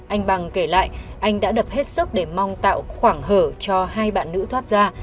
anh bằng kể lại anh đã đập hết sức để mong tạo khoảng hở cho hai bạn nữ thoát ra